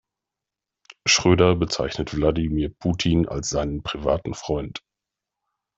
Schröder bezeichnet Wladimir Putin als seinen privaten Freund.